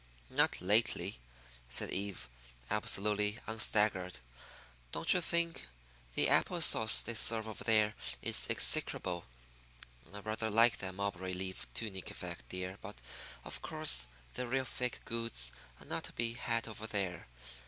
"Not lately," said Eve, absolutely unstaggered. "Don't you think the apple sauce they serve over there is execrable? I rather like that mulberry leaf tunic effect, dear; but, of course, the real fig goods are not to be had over there.